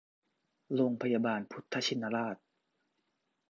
โรงพยาบาลพุทธชินราช